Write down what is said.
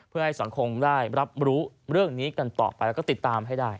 เพื่อให้สังคมได้รับรู้เรื่องนี้กันต่อไปแล้วก็ติดตามให้ได้